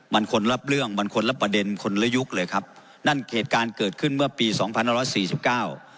มันคนรับเรื่องมันคนละประเด็นคนละยุคเลยครับนั่นเหตุการณ์เกิดขึ้นเมื่อปีสองพันห้าร้อยสี่สิบเก้า